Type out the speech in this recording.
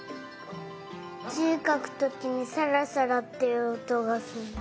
じかくときにサラサラっていうおとがする。